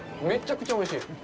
めちゃくちゃおいしい。